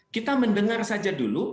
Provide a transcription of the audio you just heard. kita mendengar saja dulu